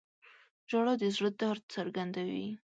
• ژړا د زړه درد څرګندوي.